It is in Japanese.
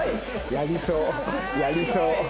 やりそうやりそう。